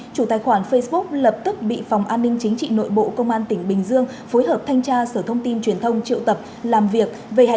chủ tài khoản facebook lập tức bị phòng an ninh chính trị nội bộ công an tỉnh bình dương phối hợp thanh tra sở thông tin truyền thông triệu tập làm việc